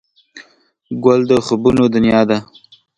ګل د خوبونو دنیا ده.